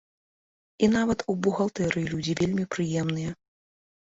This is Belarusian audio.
І нават у бухгалтэрыі людзі вельмі прыемныя.